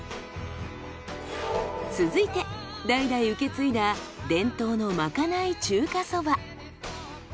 続いて代々受け継いだ伝統のまかない中華そば。